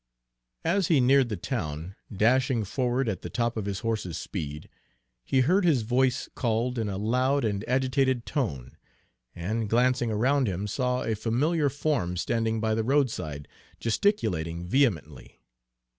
As he neared the town, dashing forward at the top of his horse's speed, he heard his voice called in a loud and agitated tone, and, glancing around him, saw a familiar form standing by the roadside, gesticulating vehemently.